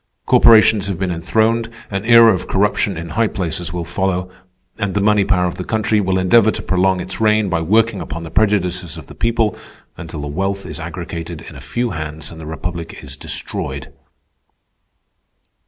... Corporations have been enthroned, an era of corruption in high places will follow, and the money power of the country will endeavor to prolong its reign by working upon the prejudices of the people until the wealth is aggregated in a few hands and the Republic is destroyed.